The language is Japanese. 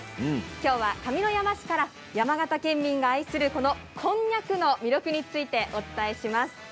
今日は上山市から山形県民が愛する、このこんにゃくの魅力についてお伝えします。